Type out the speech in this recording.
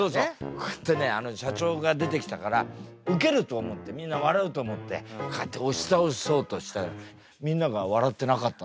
こうやってね社長が出てきたからウケると思ってみんな笑うと思ってこうやって押し倒そうとしたらみんなが笑ってなかった。